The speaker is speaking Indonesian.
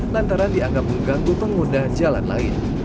lantaran dianggap mengganggu pengguna jalan lain